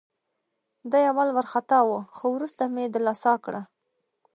دی اول وارخطا وه، خو وروسته مې دلاسا کړه.